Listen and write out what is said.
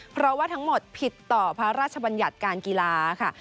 เพราะว่าทั้งหมดผิดต่อพระราชบัญญัติการกีฬาค่ะ